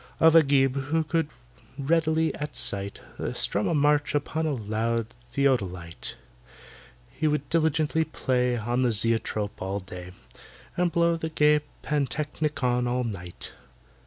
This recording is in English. Of AGIB, who could readily, at sight, Strum a march upon the loud Theodolite. He would diligently play On the Zoetrope all day, And blow the gay Pantechnicon all night.